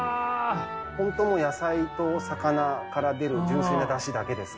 ホントもう野菜と魚から出る純粋なダシだけです。